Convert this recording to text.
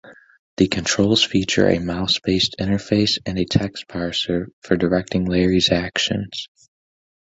The controls feature a mouse-based interface and a text parser for directing Larry's actions.